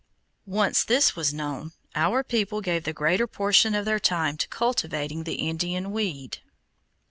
Once this was known, our people gave the greater portion of their time to cultivating the Indian weed.